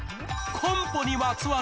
コンポにまつわる。